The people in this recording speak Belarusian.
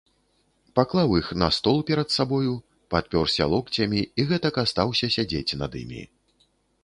Паклаў іх на стол перад сабою, падпёрся локцямі і гэтак астаўся сядзець над імі.